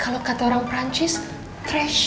kalau kata orang prancis trashy